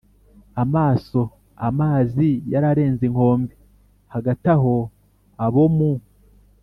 amaso amazi yararenze inkombe. hagati aho abo mu